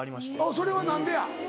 それは何でや？